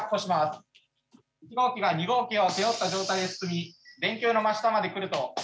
１号機が２号機を背負った状態で進み電球の真下まで来ると。